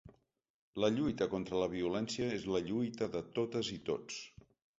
La lluita contra la violència és una lluita de totes i tots.